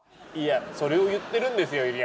いやそれを言ってるんですよ